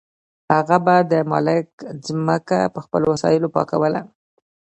هغه به د مالک ځمکه په خپلو وسایلو پاکوله.